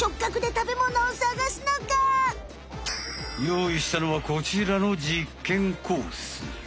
用意したのはこちらの実験コース。